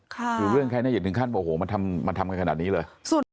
คือเรื่องแค่นี้อย่าถึงขั้นโอ้โหมันทำกันขนาดนี้เลย